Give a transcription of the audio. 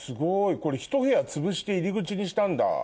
これひと部屋つぶして入り口にしたんだ？